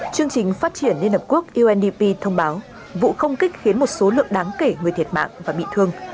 chương trình phát triển liên hợp quốc undp thông báo vụ không kích khiến một số lượng đáng kể người thiệt mạng và bị thương